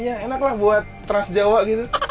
iya enak lah buat trans jawa gitu